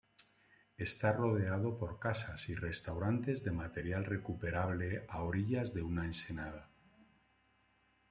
Está rodeado por casas y restaurantes de material recuperable a orillas de una ensenada.